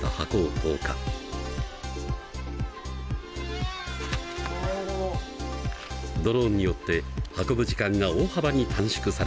ドローンによって運ぶ時間が大幅に短縮されました。